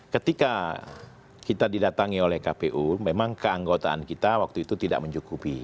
ketika kita didatangi oleh kpu memang keanggotaan kita waktu itu tidak mencukupi